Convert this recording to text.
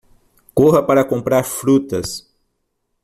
Corra para comprar frutas